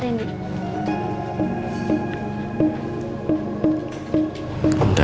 tidak mau nikah